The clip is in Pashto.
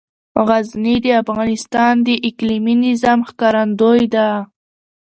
غزني د افغانستان د اقلیمي نظام ښکارندوی ده.